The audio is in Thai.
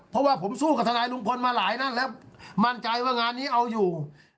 เพราะว่าผมสู้กับทนายลุงพลมาหลายนั่นแล้วมั่นใจว่างานนี้เอาอยู่